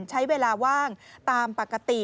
ใช้เวลาว่างตามปกติ